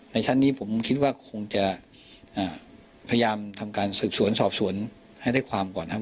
ชั้นนี้ผมคิดว่าคงจะพยายามทำการสืบสวนสอบสวนให้ได้ความก่อนนะครับ